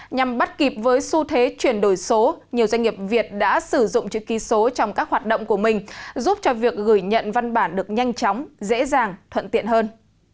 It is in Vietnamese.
nhằm bắt kịp với xu thế chuyển đổi số nhiều doanh nghiệp việt đã sử dụng chữ ký số trong các hoạt động của mình giúp cho việc gửi nhận văn bản được nhanh chóng dễ dàng thuận tiện hơn